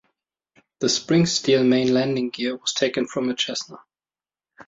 The spring-steel main landing gear was taken from a Cessna.